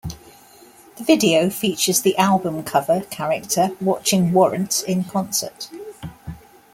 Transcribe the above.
The video features the album cover character watching Warrant in concert.